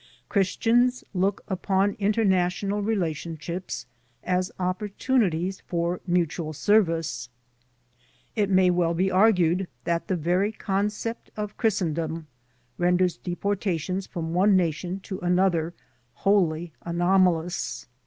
Christians look upon international relationships as oppor tunities for mutual service. It may well be argued that the very concept of Christendom renders deportations from one nation to another wholly anomalous.